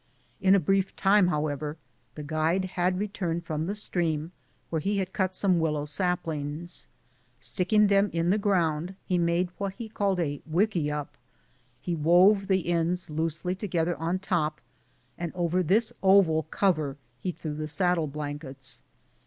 In a brief time, liowever, the guide had returned from the stream, where 80 BOOTS AND SADDLES. he had cut some willow saplings, and sticking them in the ground made what he called '' wik a up." He wove the ends loosely together on top, and over this oval cover he threw the saddle blankets.